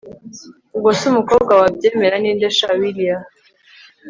ubwo se umukobwa wabyemera ninde sha willia